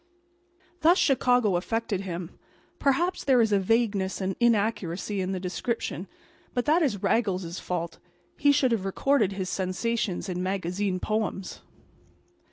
Thus Chicago affected him. Perhaps there is a vagueness and inaccuracy in the description; but that is Raggles's fault. He should have recorded his sensations in magazine poems.